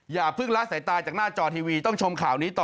อย่าเพิ่งละสายตาจากหน้าจอทีวีต้องชมข่าวนี้ต่อ